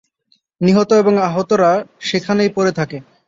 নিহত এবং আহতরা সেখানেই পড়ে থাকে।